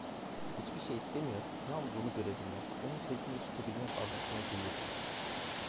Hiçbir şey istemiyor, yalnız onu görebilmek, onun sesini işitebilmek arzusunu duyuyordum.